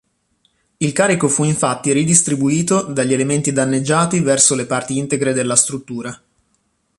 Il carico fu infatti ridistribuito dagli elementi danneggiati verso le parti integre della struttura.